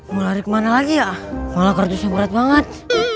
mulai kemana lagi ya malah kartusnya berat banget